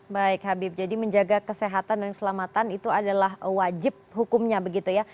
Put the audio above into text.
baik habib jadi menjaga kesehatan dan keselamatan itu adalah wajib hukumnya begitu ya